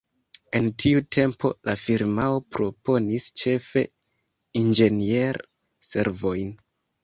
En tiu tempo, la firmao proponis ĉefe inĝenier-servojn.